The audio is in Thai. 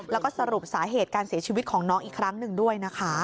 แล้วก็สรุปสาเหตุการเสียชีวิตของน้องอีกครั้งหนึ่งด้วยนะคะ